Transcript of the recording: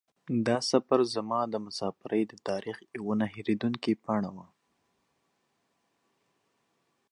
دا سفر زما د مسافرۍ د تاریخ یوه نه هېرېدونکې پاڼه وه.